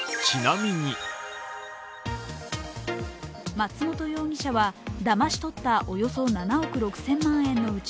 松本容疑者はだまし取ったおよそ７億６０００万円のうち